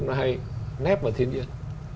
nó hay nét vào thiên nhiên